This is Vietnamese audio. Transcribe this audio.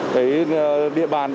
cái địa bàn